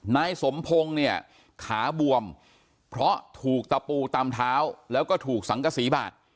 นายสมพงศ์เนี่ยขาบวมเพราะถูกตะปูตามเท้าแล้วก็ถูกสังกษีบาด